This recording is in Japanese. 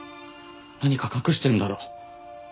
何か隠してるんだろ？